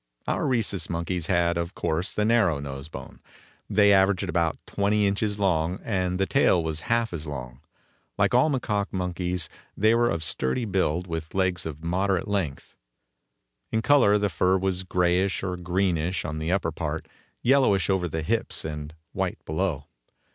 Our Rhesus Monkeys had, of course, the narrow nose bone. They averaged about twenty inches long, and the tail was half as long. Like all the macaque monkeys, they were of sturdy build, with legs of moderate length. In color the fur was grayish or greenish on the upper part, yellowish over the hips and white below.